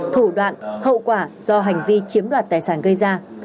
thủ đoạn hậu quả do hành vi chiếm đoạt tài sản gây ra